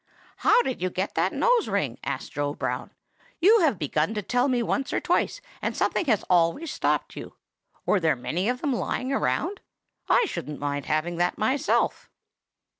"'How did you get that nose ring?' asked Joe Brown. 'You have begun to tell me once or twice, and something has always stopped you. Were there many of them lying around? I shouldn't mind having that myself.